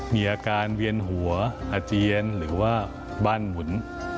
มีอาการเวียนหัวอาเจียนหรือว่าบ้านหมุน